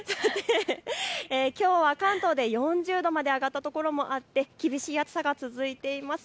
きょうは関東で４０度まで上がったところもあって厳しい暑さが続いています。